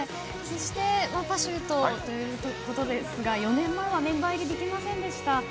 そしてパシュートということですが４年前はメンバー入りできませんでした。